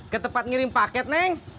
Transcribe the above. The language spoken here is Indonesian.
ke tempat ngirim paket neng